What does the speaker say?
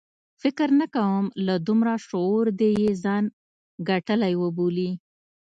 فکر نه کوم له دومره شعور دې یې ځان ګټلی وبولي.